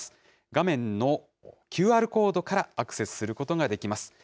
画面のＱＲコードからアクセスすることができます。